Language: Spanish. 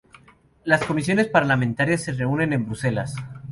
Las comisiones parlamentarias se reúnen en Bruselas.